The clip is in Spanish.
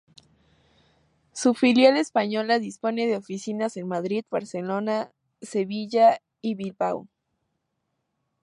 Su filial española dispone de oficinas en Madrid, Barcelona, Sevilla y Bilbao.